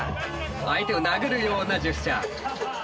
相手を殴るようなジェスチャー。